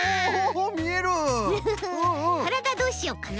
からだどうしよっかな。